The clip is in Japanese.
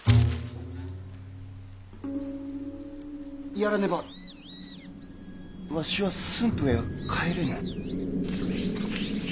やらねばわしは駿府へは帰れぬ。